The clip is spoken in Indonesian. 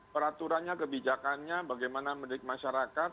peraturannya kebijakannya bagaimana mendidik masyarakat